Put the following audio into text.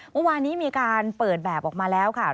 เมื่อวานนี้มีการเปิดแบบออกมาแล้วค่ะ